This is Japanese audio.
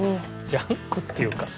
ジャンクっていうかさ。